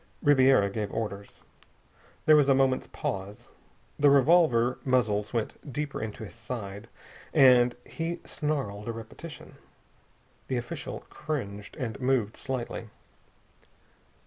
Ribiera gave orders. There was a moment's pause the revolver muzzles went deeper into his side and he snarled a repetition. The official cringed and moved swiftly.